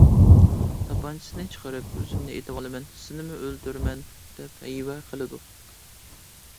تاپانچىسىنى چىقىرىپ «ئۆزۈمنى ئېتىۋالىمەن، سېنىمۇ ئۆلتۈرىمەن» دەپ ھەيۋە قىلىدۇ.